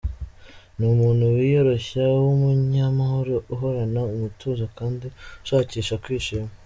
Ni umuntu wiyoroshya, w’umunyamahoro, uhorana umutuzo kandi ushakisha kwishima.